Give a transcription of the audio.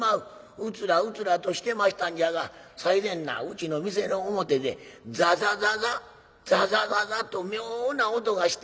うつらうつらとしてましたんじゃが最前なうちの店の表でザザザザザザザザと妙な音がした。